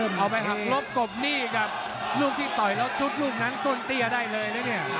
เอาไปหักลบกบหนี้กับลูกที่ต่อยแล้วซุดลูกนั้นต้นเตี้ยได้เลยนะเนี่ย